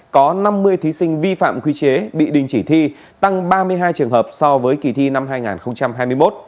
có năm mươi thí sinh vi phạm quy chế bị đình chỉ thi tăng ba mươi hai trường hợp so với kỳ thi năm hai nghìn hai mươi một